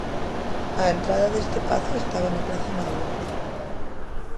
A entrada deste pazo estaba na praza Maior...